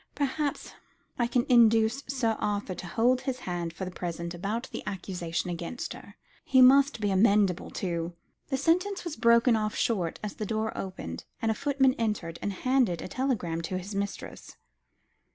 Perhaps I can induce Sir Arthur to hold his hand for the present about the accusation against her. He must be amenable to " The sentence was broken off short, as the door opened, and a footman entered and handed a telegram to his mistress.